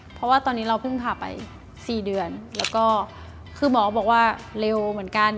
เพราะว่าตอนนี้เราเพิ่งผ่าไป๔เดือนแล้วก็คือหมอบอกว่าเร็วเหมือนกัน